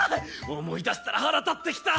思い出したら腹立ってきた！